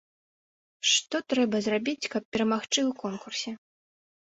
Што трэба зрабіць, каб перамагчы ў конкурсе?